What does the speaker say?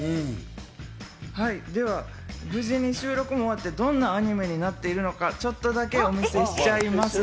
はい、では無事に収録も終わって、どんなアニメになっているのか、ちょっとだけお見せしちゃいます。